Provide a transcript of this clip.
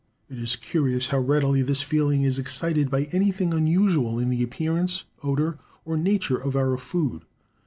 It is curious how readily this feeling is excited by anything unusual in the appearance, odour, or nature of our food.